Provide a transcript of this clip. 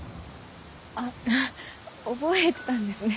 あっ覚えてたんですね。